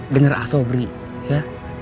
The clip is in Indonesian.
dengar a sobri ya